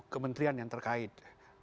kementerian yang terkait